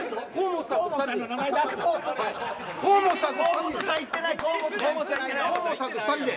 河本さんと２人で。